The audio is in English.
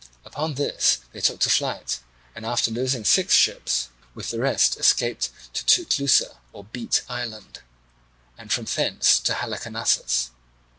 Upon this they took to flight, and after losing six ships with the rest escaped to Teutlussa or Beet Island, and from thence to Halicarnassus.